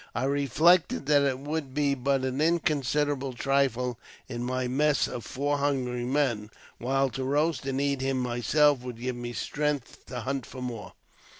I reflected that it would be but an inconsiderable trifle in my mess of four hungry men, while to roast and eat him myself would give me strength to hunt for more.